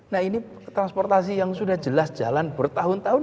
nah ini transportasi yang sudah jelas jalan bertahun tahun